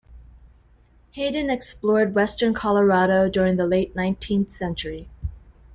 Hayden explored western Colorado during the late nineteenth century.